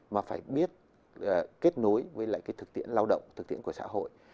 mà phải biết kết nối với thực tiễn lao động thực tiễn của xã hội